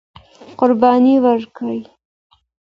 قرباني ورکړئ.